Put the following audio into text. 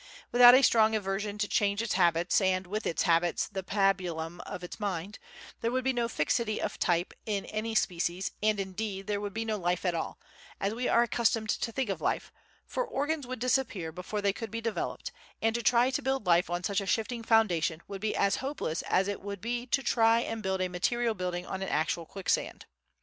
Without a strong aversion to change its habits and, with its habits, the pabulum of its mind, there would be no fixity of type in any species and, indeed, there would be no life at all, as we are accustomed to think of life, for organs would disappear before they could be developed, and to try to build life on such a shifting foundation would be as hopeless as it would be to try and build a material building on an actual quicksand.